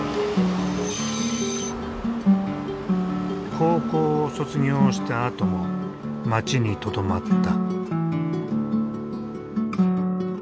高校を卒業したあとも町にとどまった。